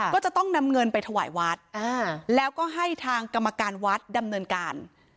ก็จะต้องนำเงินไปถวายวัดแล้วก็ให้ทางกรรมการวัดดำเนินการ